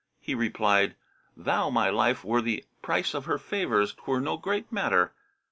He replied, "Though my life were the price of her favours 'twere no great matter."